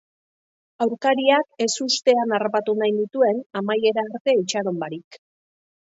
Aurkariak ezustean harrapatu nahi nituen, amaiera arte itxaron barik.